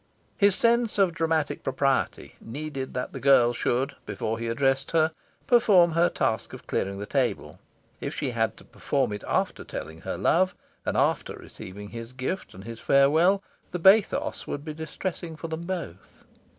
His sense of dramatic propriety needed that the girl should, before he addressed her, perform her task of clearing the table. If she had it to perform after telling her love, and after receiving his gift and his farewell, the bathos would be distressing for them both.